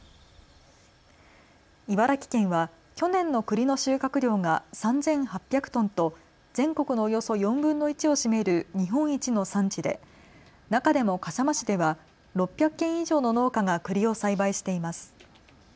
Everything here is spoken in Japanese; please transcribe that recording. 茨城県は去年のくりの収穫量が３８００トンと全国のおよそ４分の１を占める日本一の産地で中でも笠間市では６００軒以上の農家がくりを栽培しています。